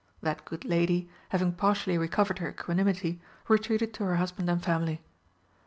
That good lady, having partially recovered her equanimity, retreated to her husband and family.